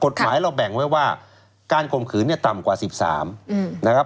กฎหมายเราแบ่งไว้ว่าการคมขืนนี้ต่ำกว่า๑๓